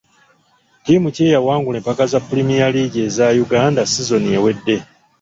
Ttiimu ki eyawangula empaka za pulimiya liigi eza Uganda sizoni ewedde.